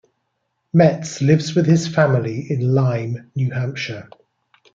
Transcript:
Metz lives with his family in Lyme, New Hampshire.